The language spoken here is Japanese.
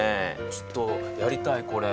ちょっとやりたいこれ。